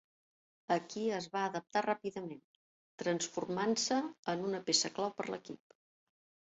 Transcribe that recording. Aquí es va adaptar ràpidament, transformant-se en una peça clau per l'equip.